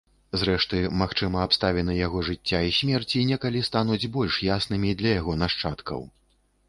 Зрэшты, магчыма, абставіны яго жыцця і смерці некалі стануць больш яснымі для яго нашчадкаў.